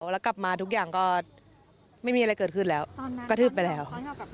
แล้วกลับมาทุกอย่างก็ไม่มีอะไรเกิดขึ้นแล้วกระทืบไปแล้ว